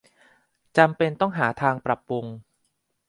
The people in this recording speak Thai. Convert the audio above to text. จำเป็นต้องหาทางปรับปรุง